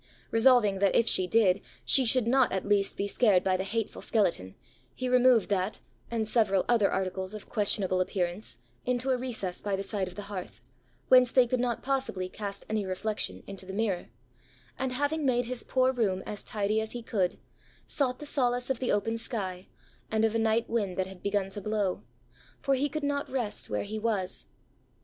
Resolving that if she did, she should not at least be scared by the hateful skeleton, he removed that and several other articles of questionable appearance into a recess by the side of the hearth, whence they could not possibly cast any reflection into the mirror; and having made his poor room as tidy as he could, sought the solace of the open sky and of a night wind that had begun to blow, for he could not rest where he was.